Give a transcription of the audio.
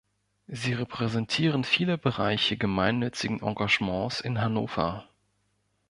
Sie repräsentieren viele Bereiche gemeinnützigen Engagements in Hannover.